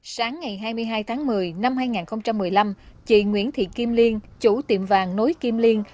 sáng ngày hai mươi hai tháng một mươi năm hai nghìn một mươi năm chị nguyễn thị kim liên chủ tiệm vàng nối kim liên